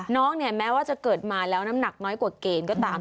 น้องเนี่ยแม้ว่าจะเกิดมาแล้วน้ำหนักน้อยกว่าเกณฑ์ก็ตาม